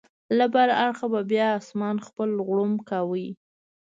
له بل اړخه به بیا اسمان خپل غړومب کاوه.